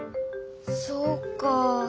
そうか。